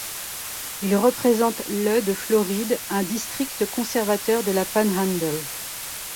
Il représente le de Floride, un district conservateur de la Panhandle.